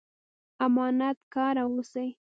امانت کاره اوسئ